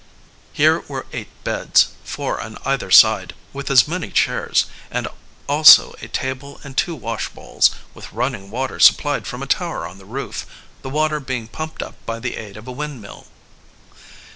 Here were eight beds, four on either side, with as many chairs, and also a table and two washbowls, with running water supplied from a tower on the roof, the water being pumped up by the aid of a windmill.